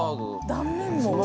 断面も。